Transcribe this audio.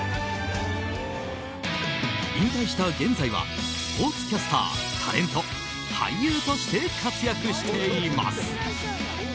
引退した現在はスポーツキャスター、タレント俳優として活躍しています。